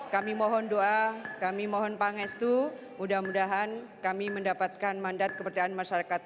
kami mohon doa kami mohon pangestu mudah mudahan kami mendapatkan mandat kepercayaan masyarakat